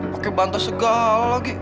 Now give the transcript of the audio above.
pakai bantas segala lagi